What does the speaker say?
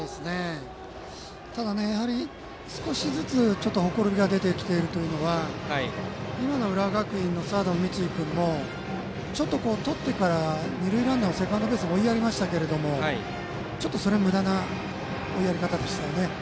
ただ、少しずつほころびが出てきているというのは今の浦和学院のサード、三井君もちょっと、とってから二塁ランナーをセカンドベースに追いやりましたがちょっと、それはむだな追いやり方でしたよね。